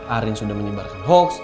arief sudah menyebarkan hoax